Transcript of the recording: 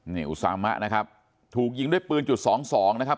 นี่อูซามานะครับถูกยิงด้วยปืนจุด๒๒นะครับ